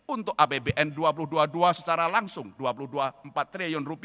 untuk apbn dua ribu dua puluh dua secara langsung rp dua puluh dua empat triliun